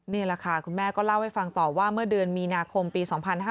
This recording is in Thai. นี่แหละค่ะคุณแม่ก็เล่าให้ฟังต่อว่าเมื่อเดือนมีนาคมปี๒๕๕๙